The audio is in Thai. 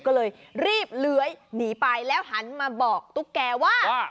ก็เลยรีบเลื้อยหนีไปแล้วหันมาบอกตุ๊กแกว่า